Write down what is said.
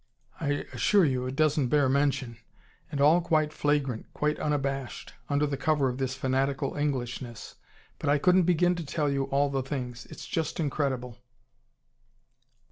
I assure you it doesn't bear mention. And all quite flagrant, quite unabashed under the cover of this fanatical Englishness. But I couldn't begin to TELL you all the things. It's just incredible."